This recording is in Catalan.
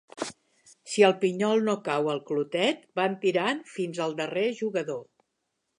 Si el pinyol no cau al clotet, van tirant fins al darrer jugador.